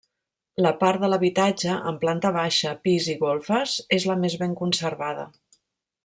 La part de l'habitatge, amb planta baixa, pis i golfes, és la més ben conservada.